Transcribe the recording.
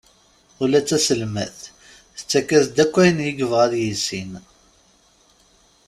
Ula d taselmadt tettak-as-d akk ayen i yebɣa ad yissin.